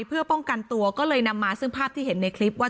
เพื่อป้องกันตัวก็เลยนำมาซึ่งภาพที่เห็นในคลิปว่า